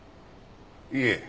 いえ。